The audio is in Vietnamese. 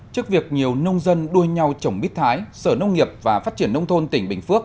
trước việc nhiều nông dân đua nhau trồng bít thái sở nông nghiệp và phát triển nông thôn tỉnh bình phước